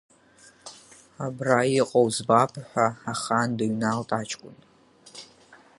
Абра иҟоу збап, ҳа ахан дыҩналт аҷкәын.